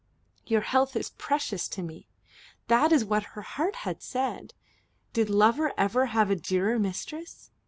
"Your health is precious to me." That is what her heart had said. Did lover ever have a dearer mistress?